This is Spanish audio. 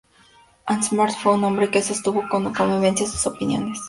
Ansermet fue un hombre que sostuvo con vehemencia sus opiniones.